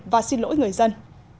và xin lỗi người dân